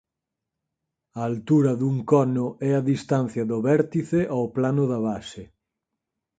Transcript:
A altura dun cono é a distancia do vértice ao plano da base.